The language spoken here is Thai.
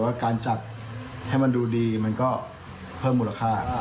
การจัดให้มันดูดีมันก็เพิ่มมูลค่า